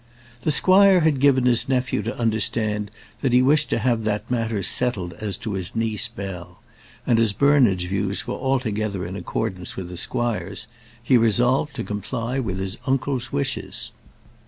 The squire had given his nephew to understand that he wished to have that matter settled as to his niece Bell; and as Bernard's views were altogether in accordance with the squire's, he resolved to comply with his uncle's wishes.